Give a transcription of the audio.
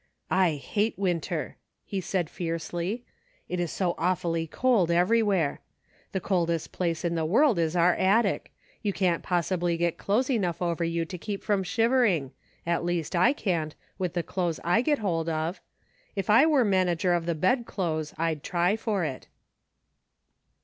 " I hate winter," he said, fiercely. " It is so awfully cold everywhere. The coldest place in the world is our attic. You can't possibly get clothes enough over you to keep from shivering; at least, I can't, with the clothes I get hold of. If I were manager of the bed clothes, I'd try for it."